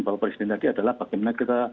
bapak presiden tadi adalah bagaimana kita